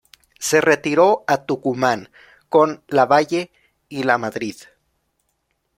Se retiró a Tucumán con Lavalle y Lamadrid.